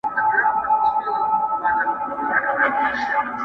o د شگو بند اوبه وړي٫